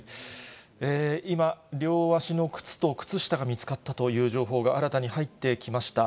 今、両足の靴と靴下が見つかったという情報が新たに入ってきました。